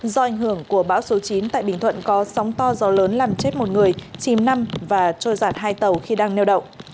do ảnh hưởng của bão số chín tại bình thuận có sóng to gió lớn làm chết một người chìm năm và trôi giặt hai tàu khi đang neo đậu